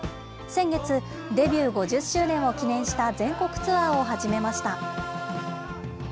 先月、デビュー５０周年を記念した全国ツアーを始めました。